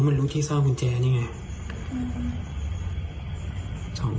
มันรู้ที่ซ่อนกุญแจนี่ไง